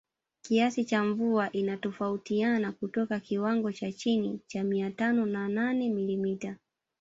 Kiasi cha mvua inatofautiana kutoka kiwango cha chini cha mia tano na nane milimita